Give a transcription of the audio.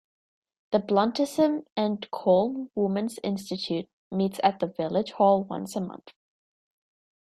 The Bluntisham and Colne Women's Institute meets at the village hall once a month.